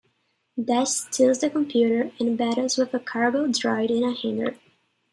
Dash steals the computer, and battles with a cargo droid in a hangar.